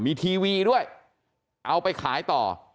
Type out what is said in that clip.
มีทีวีด้วยเอาไปขายต่อ